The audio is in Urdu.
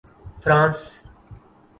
فرانس